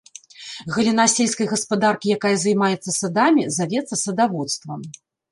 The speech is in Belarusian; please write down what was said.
Галіна сельскай гаспадаркі, якая займаецца садамі, завецца садаводствам.